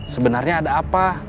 sebenarnya ada apa